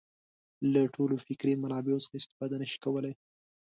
له ټولو فکري منابعو څخه استفاده نه شي کولای.